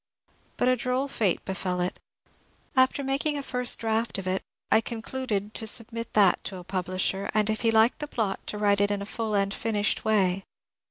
But a droll fate befell it. After making a first draft of it I concluded to sub mit that to a publisher, and if he liked the plot to write it in a full and finished way.